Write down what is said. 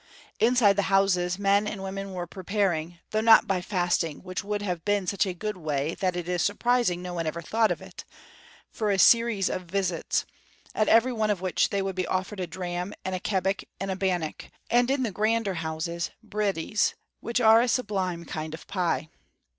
Inside the houses men and women were preparing (though not by fasting, which would have been such a good way that it is surprising no one ever thought of it) for a series of visits, at every one of which they would be offered a dram and kebbock and bannock, and in the grander houses "bridies," which are a sublime kind of pie.